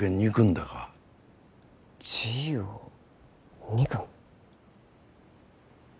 自由を憎む？